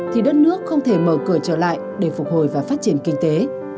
thì đất nước không thể mở cửa trở lại để phục hồi và phát triển kinh tế